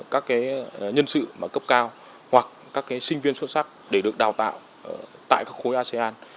các nhân sự cấp cao hoặc các sinh viên xuất sắc để được đào tạo tại các khối asean